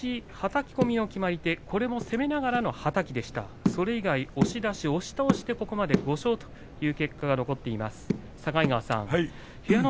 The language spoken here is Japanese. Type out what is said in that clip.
初日、はたき込みの決まり手攻めながらのはたきでそれ以外、押し出し、押し倒しでここまで５勝という結果が残っています。